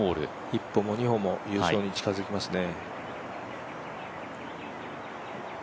一歩も二歩も優勝に近づきますね。